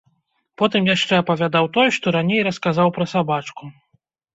Потым яшчэ апавядаў той, што раней расказаў пра сабачку.